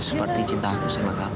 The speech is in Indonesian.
seperti cinta aku sama kamu